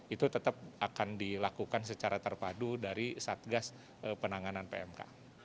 itu tetap akan dilakukan secara terpadu dari satgas penanganan pmk